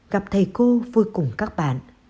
gặp thầy cô vui cùng các bạn